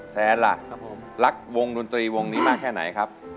ล่ะรักวงดนตรีวงนี้มากแค่ไหนครับ